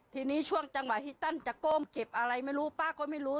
ทีนี้ช่วงจังหวะที่ตั้นจะก้มเก็บอะไรไม่รู้ป้าก็ไม่รู้